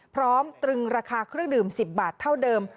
ตรึงราคาเครื่องดื่ม๑๐บาทเท่าเดิม